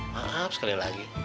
maaf sekali lagi